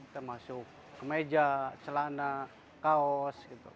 termasuk kemeja celana kaos